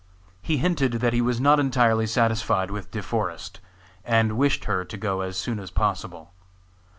He hinted that he was not entirely satisfied with De Forest, and wished her to go as soon as possible.